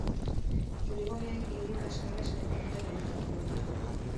Zuri-gorriek irudi kaskarra eskaini dute lehen zatian.